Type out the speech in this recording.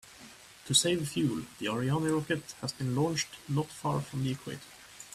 To save fuel, the Ariane rocket has been launched not far from the equator.